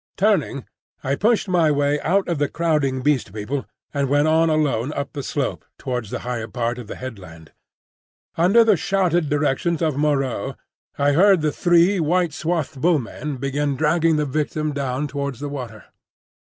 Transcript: Turning, I pushed my way out of the crowding Beast People and went on alone up the slope towards the higher part of the headland. Under the shouted directions of Moreau I heard the three white swathed Bull men begin dragging the victim down towards the water.